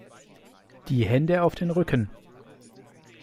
Die Hände auf den Rücken!